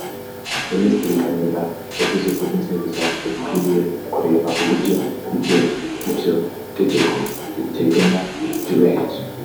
Minisitiri Kanimba yavuze ko inzego za Leta zikwiriye kureba uburyo ibyo ibyo tegeko riteganya byubahirizwa